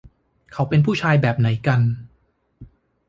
เขาเป็นผู้ชายแบบไหนกัน